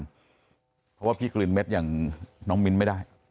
เพราะว่าพี่กลิ่นเม็ดอย่างน้องมิ้นไม่ได้